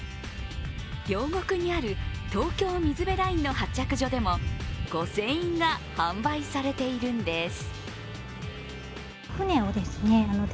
両国にある東京水辺ラインの発着所でも御船印が販売されているんです。